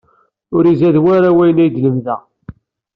Ur izad wara wayen ay d-lemdeɣ.